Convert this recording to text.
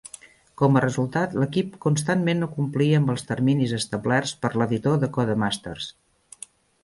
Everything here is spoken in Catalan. Com a resultat, l'equip constantment no complia amb els terminis establerts per l'editor de Codemasters.